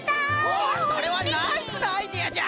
おおそれはナイスなアイデアじゃ。